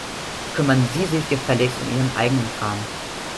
Kümmern Sie sich gefälligst um Ihren eigenen Kram.